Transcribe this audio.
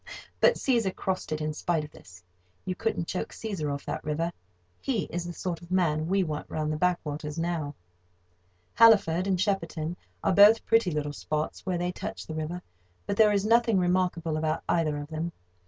But Cæsar crossed in spite of this. You couldn't choke Cæsar off that river. He is the sort of man we want round the backwaters now. Halliford and Shepperton are both pretty little spots where they touch the river; but there is nothing remarkable about either of them.